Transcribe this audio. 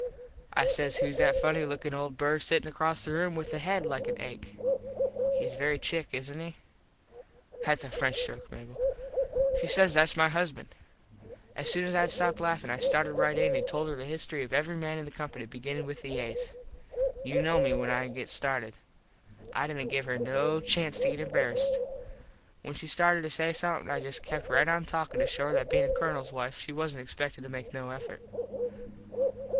I says whose that funny lookin old bird sittin across the room with a head like an egg. Hes very chic isnt he? (Thats a French joke Mable.) She says "Thats my husband." As soon as Id stopped laffin I started right in an told her the history of every man in the company beginnin with the As. You know me when I get started. I didnt give her no chanst to get embarassed. When she started to say somethin I just kept right on talkin just to show her that bein a Colonels wife she wasnt expected to make no effort.